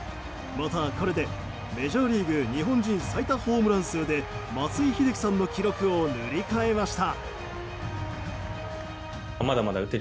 また、これでメジャーリーグ日本人最多ホームラン数で松井秀喜さんの記録を塗り替えました。